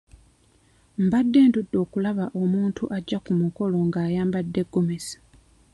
Mbadde ndudde okulaba omuntu ajja ku mukolo ng'ayambadde gomesi.